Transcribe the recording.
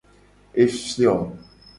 Efio.